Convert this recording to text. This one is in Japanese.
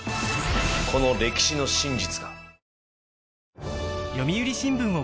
この歴史の真実が。